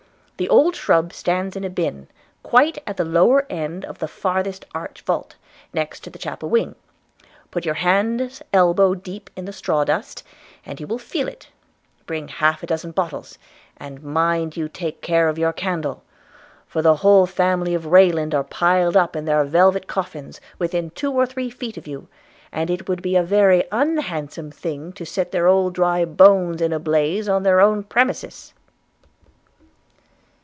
The old shrub stands in a bin, quite at the lower end of the farthest arched vault, next the chapel wing: put your hands elbow deep in the saw dust, and you will feel it; bring half a dozen bottles, and mind you take care of your candle – for the whole family of Rayland are piled up in their velvet coffins within two or three feet of you; and it would be a very unhandsome thing to set their old dry bones in a blaze on their own premises.'